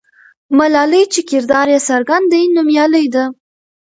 ملالۍ چې کردار یې څرګند دی، نومیالۍ ده.